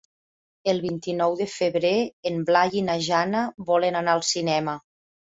El vint-i-nou de febrer en Blai i na Jana volen anar al cinema.